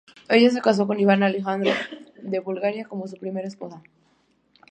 Ella se casó con Iván Alejandro de Bulgaria como su primera esposa.